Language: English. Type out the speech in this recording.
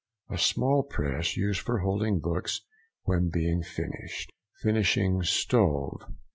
—A small press, used for holding books when being finished. FINISHING STOVE.